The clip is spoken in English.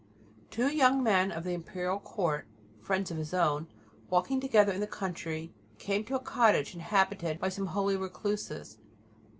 Two young men of the Imperial Court, friends of his own, walking together in the country, came to a cottage inhabited by some holy recluses.